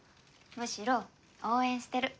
むしろ応援してる。